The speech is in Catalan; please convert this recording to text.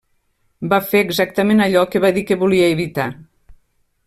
Va fer exactament allò que va dir que volia evitar.